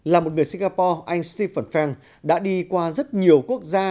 là một người singapore anh syphen fang đã đi qua rất nhiều quốc gia